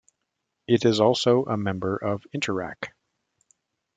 It is also a member of Interac.